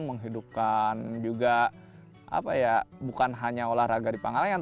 menghidupkan juga apa ya bukan hanya olahraga di pangalengan